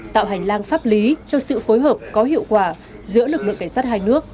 tạo hành lang pháp lý cho sự phối hợp có hiệu quả giữa lực lượng cảnh sát hai nước